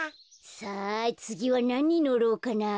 さあつぎはなにのろうかな？